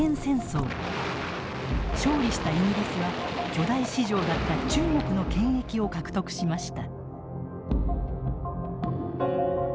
勝利したイギリスは巨大市場だった中国の権益を獲得しました。